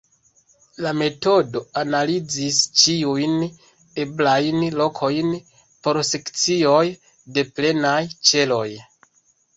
La metodo analizas ĉiujn eblajn lokojn por sekcioj de plenaj ĉeloj.